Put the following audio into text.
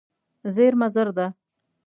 زېرمه زر ده.